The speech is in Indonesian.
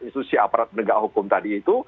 institusi aparat penegak hukum tadi itu